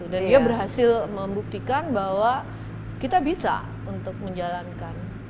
dan dia berhasil membuktikan bahwa kita bisa untuk menjalankan